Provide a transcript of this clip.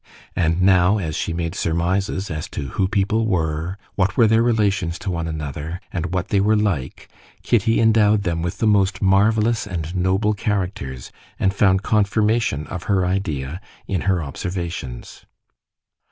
And now as she made surmises as to who people were, what were their relations to one another, and what they were like, Kitty endowed them with the most marvelous and noble characters, and found confirmation of her idea in her observations.